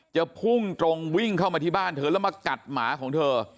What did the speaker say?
พุ่งตรงวิ่งเข้ามาที่บ้านเธอแล้วมากัดหมาของเธอ